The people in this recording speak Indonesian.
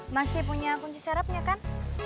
masih punya kunci syaratnya kan